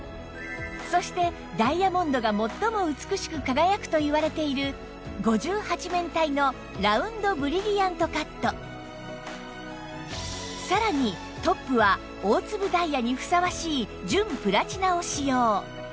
そしてダイヤモンドが最も美しく輝くといわれている５８面体のさらにトップは大粒ダイヤにふさわしい純プラチナを使用